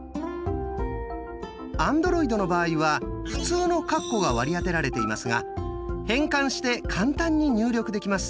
アンドロイドの場合は普通のカッコが割り当てられていますが変換して簡単に入力できます。